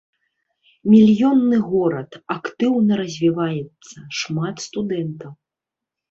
Мільённы горад, актыўна развіваецца, шмат студэнтаў.